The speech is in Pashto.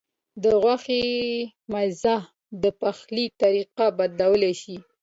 د غوښې مزه د پخلي طریقه بدلولی شي.